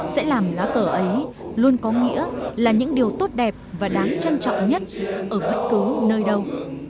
sẽ làm lá cờ ấy luôn có nghĩa là những điều tốt đẹp và đáng trân trọng nhất ở bất cứ nơi đâu